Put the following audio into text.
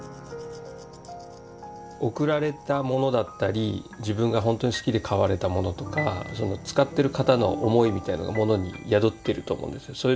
贈られたものだったり自分が本当に好きで買われたものとか使ってる方の思いみたいなのが物に宿っていると思うんですよ。